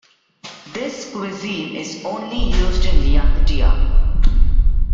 This cuisine is only used in Yakutia.